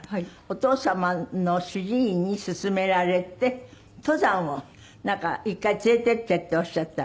お父様の主治医に勧められて登山を一回連れて行ってっておっしゃったら。